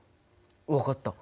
分かった。